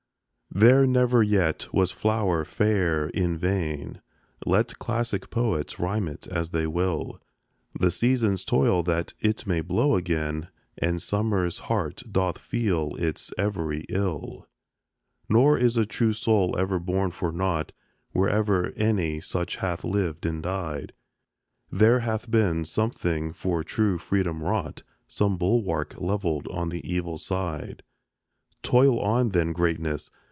There never yet was flower fair in vain, Let classic poets rhyme it as they will; The seasons toil that it may blow again, And summer's heart doth feel its every ill; Nor is a true soul ever born for naught; Wherever any such hath lived and died, There hath been something for true freedom wrought, Some bulwark levelled on the evil side: Toil on, then, Greatness!